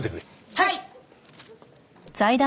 はい！